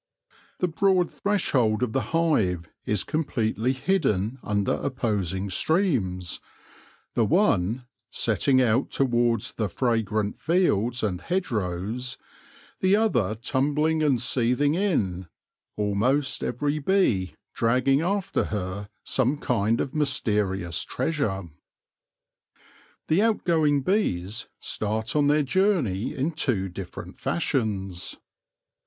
The broad threshold of the hive is completely hidden under opposing streams, the one setting out towards the fragrant fields and hedgerows, the other tumbling and seething in, almost every bee dragging after her some kind of mysterious treasure. The outgoing bees start on their journey in two different fashions.